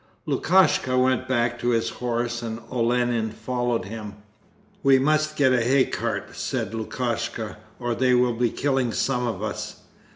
Lukashka went back to his horse and Olenin followed him. 'We must get a hay cart,' said Lukashka, 'or they will be killing some of us.